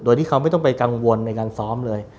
โดยที่เขาไม่ต้องไปกังวลในการซ้อมเลย